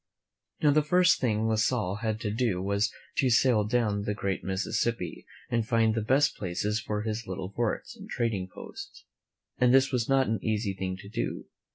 Now, the first thing La Salle had to do was to sail down the great Mississippi and find the best places for his little forts and trading posts; and this was not an easy thing to do.